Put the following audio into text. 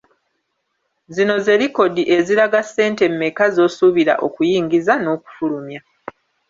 Zino ze likodi eziraga ssente mmeka z’osuubira okuyingiza n’okufulumya.